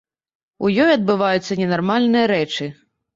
У ёй адбываюцца ненармальныя рэчы.